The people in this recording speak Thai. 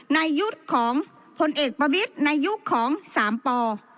ในยุคของพลเอกประวิทย์ในยุคของสามป